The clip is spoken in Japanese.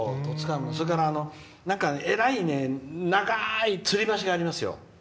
それからえらい長いつり橋がありますよ。